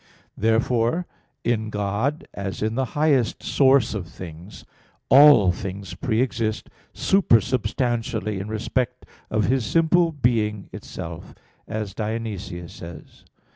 Therefore, in God, as in the highest source of things, all things pre exist supersubstantially in respect of His simple Being itself, as Dionysius says (Div.